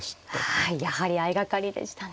はいやはり相掛かりでしたね。